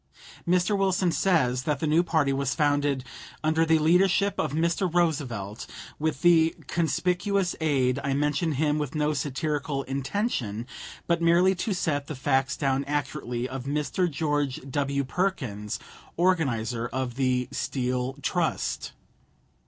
Mr. Wilson says that the new party was founded "under the leadership of Mr. Roosevelt, with the conspicuous aid I mention him with no satirical intention, but merely to set the facts down accurately of Mr. George W. Perkins, organizer of the Steel Trust."